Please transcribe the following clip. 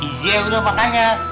iya udah makanya